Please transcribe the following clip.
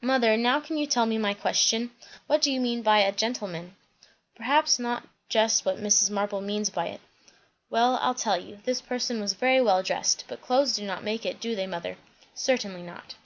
"Mother, now can you tell me my question? What do you mean by a 'gentleman.'" "Perhaps not just what Mrs. Marble means by it." "Well, I'll tell you. This person was very well dressed, but clothes do not make it, do they, mother?" "Certainly not."